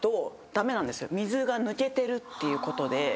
水が抜けてるっていうことで。